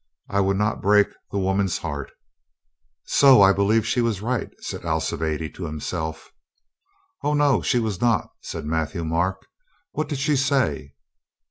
I would not break the woman's heart," "So. I believe she was right," said Alcibiade to himself. "O no, she was not," said Matthieu Marc. "What did she say?"